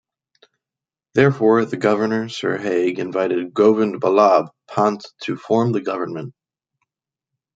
Therefore, the Governor Sir Haig invited Govind Ballabh Pant to form the government.